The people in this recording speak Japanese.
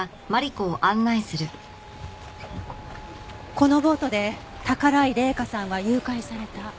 このボートで宝居麗華さんは誘拐された？